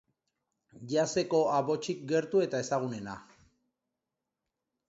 Jazz-eko abotsik gertu eta ezagunena.